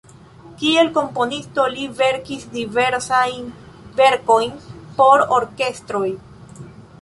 Kiel komponisto li verkis diversajn verkojn por orkestroj.